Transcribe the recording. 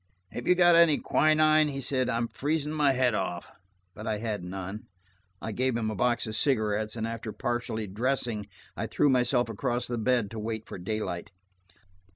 "Have you got any quinine?" he said. "I'm sneezing my head off." But I had none. I gave him a box of cigarettes, and after partially dressing, I threw myself across the bed to wait for daylight.